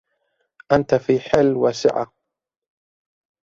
أنت في حل وفي سعة